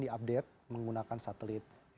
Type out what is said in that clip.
diupdate menggunakan satelit